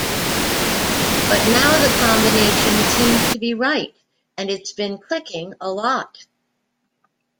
But now the combination seems to be right and it's been clicking a lot.